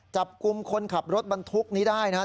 จับกลุ่มคนขับรถบรรทุกนี้ได้นะครับ